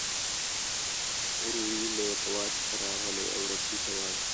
روي له روا څخه راغلی او رسۍ ته وايي.